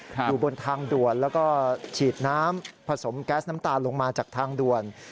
อยู่บนทางด่วนแล้วก็ฉีดน้ำผสมแก๊สน้ำตาลลงมาจากทางด่วน